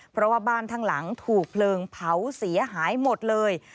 เพราะว่าบ้านทั้งหลังถูกเพลิงเผาเสียหายหมดเลย